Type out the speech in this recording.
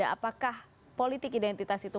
apakah politik identitas itu